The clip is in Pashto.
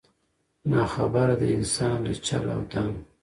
نا خبره د انسان له چل او دامه